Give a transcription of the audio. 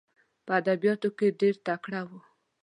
په ادبیاتو کې ډېر تکړه وو.